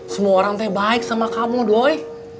semua orang baik sama kamu doi